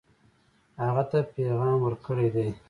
هغه ته پیغام ورکړی دی.